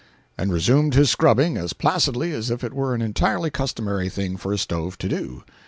—and resumed his scrubbing as placidly as if it were an entirely customary thing for a stove to do.